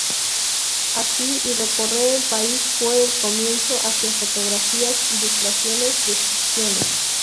Así y recorrer el país fue el comienzo, hacía fotografías, ilustraciones, descripciones.